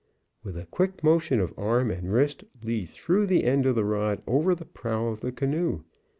With a quick motion of arm and wrist, Lee threw the end of the rod over the prow of the canoe.